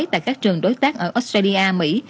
tại các trường đối tác ở australia mỹ